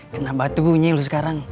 kenapa tuh bunyi lu sekarang